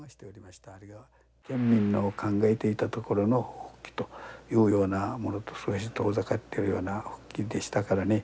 県民の考えていたところの復帰というようなものと少し遠ざかってるような復帰でしたからね。